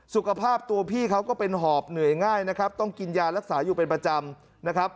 สุขภาพตัวพี่เขาก็เป็นหอบเหนื่อยง่ายนะครับต้องกินยารักษาอยู่เป็นประจำนะครับ